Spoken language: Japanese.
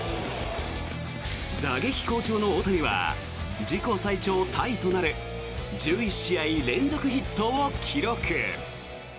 打撃好調の大谷は自己最長タイとなる１１試合連続ヒットを記録。